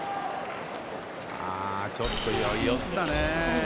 あー、ちょっと寄ったね。